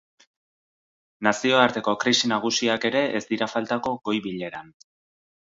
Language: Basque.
Nazioarteko krisi nagusiak ere ez dira faltako goi-bileran.